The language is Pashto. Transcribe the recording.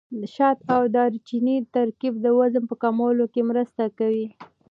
د شات او دارچیني ترکیب د وزن په کمولو کې مرسته کوي.